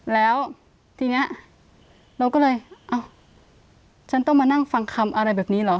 แล้วทีนี้เราก็เลยเอ้าฉันต้องมานั่งฟังคำอะไรแบบนี้เหรอ